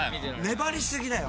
粘り過ぎだよ